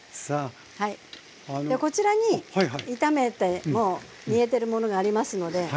こちらに炒めてもう煮えてるものがありますので。